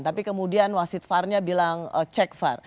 tapi kemudian wasit sparnya bilang cek spar